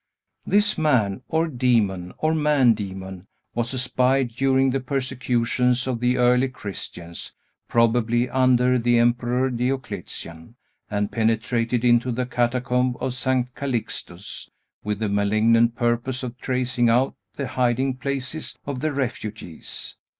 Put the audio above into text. This man, or demon, or man demon, was a spy during the persecutions of the early Christians, probably under the Emperor Diocletian, and penetrated into the catacomb of St. Calixtus, with the malignant purpose of tracing out the hiding places of the refugees.